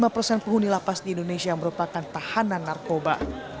enam puluh lima persen penghuni lapas di indonesia merupakan tahanan narkoba